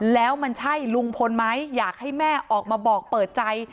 แล้วมันใช่ลุงพลไหมอยากให้แม่ออกมาบอกเปิดใจ